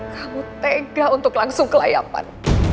kamu tega untuk langsung ke layapan